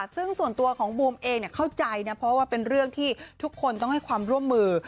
ซึ่งส่วนตัวของบวมเองเข้าใจนะเพราะว่าเป็นเรื่องที่ทุกคนต้องให้ความร่วมมือ